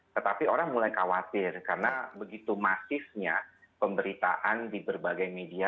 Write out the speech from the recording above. tetapi orang mulai khawatir karena begitu masifnya pemberitaan di berbagai media